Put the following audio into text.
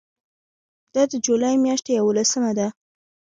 دا د جولای میاشتې یوولسمه ده.